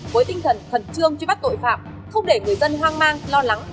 với tinh thần khẩn trương truy bắt tội phạm không để người dân hoang mang lo lắng